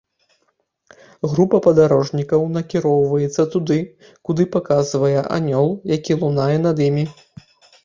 Група падарожнікаў накіроўваецца туды, куды паказвае анёл, які лунае над імі.